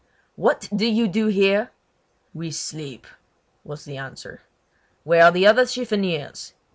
"What do you here?" "We sleep," was the answer. "Where are the other chiffoniers?"